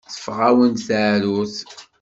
Teffeɣ-awen-d teεrurt.